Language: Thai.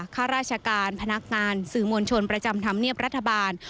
ข้าราชการพนักงานสื่อมวลชนประจำธรรมเนียบรัฐบาล